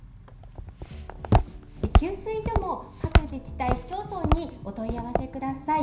給水所も各自治体、市町村にお問い合わせください。